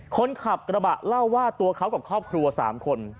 คนขับกระบะเล่าว่าตัวเขากับครอบครัว๓คน